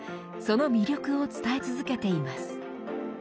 その魅力を伝え続けています。